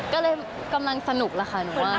ก็เลยกำลังสนุกแล้วค่ะหนูว่า